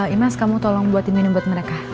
imas kamu tolong buatin minum buat mereka